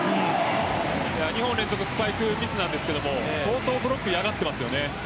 ２本連続スパイクミスなんですが相当ブロックは嫌がっています。